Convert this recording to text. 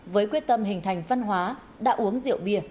với quyết tâm hình thành văn hóa đã uống rượu bia